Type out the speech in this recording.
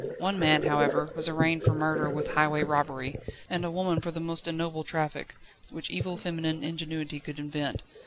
One man, however, was arraigned for murder with highway robbery, and a woman for the most ignoble traffic, which evil feminine ingenuity could invent.